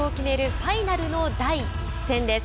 ファイナルの第１戦です。